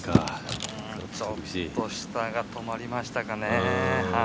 ちょっと下が止まりましたかね。